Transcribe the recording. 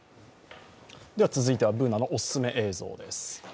続いてはＢｏｏｎａのおすすめ映像です。